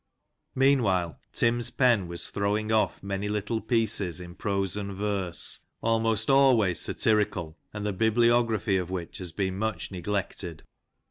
Meanwhile, Tim's pen was throwing off" many little pieces, in prose and verse, almost always satirical, and the bibliography of which has been much neglected.